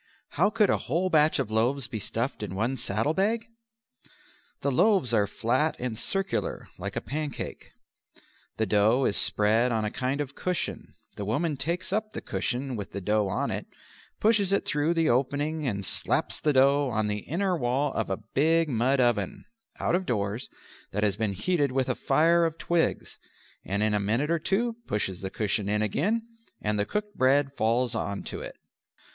How could a whole batch of loaves be stuffed in one saddle bag? The loaves are flat and circular like a pancake. The dough is spread on a kind of cushion, the woman takes up the cushion with the dough on it, pushes it through the opening and slaps the dough on the inner wall of a big mud oven (out of doors) that has been heated with a fire of twigs, and in a minute or two pushes the cushion in again and the cooked bread falls on to it.